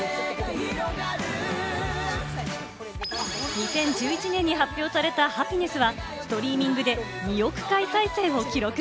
２０１１年に発表された『ハピネス』はストリーミングで２億回再生を記録！